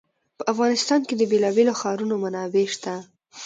په افغانستان کې د بېلابېلو ښارونو منابع شته.